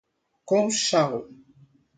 Conchal